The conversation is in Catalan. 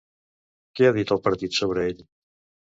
Què ha dit el partit sobre ell?